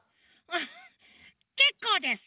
けっこうです！